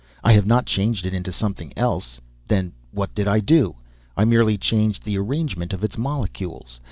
"I have not changed it into something else. Then what did I do? I merely changed the arrangement of its molecules.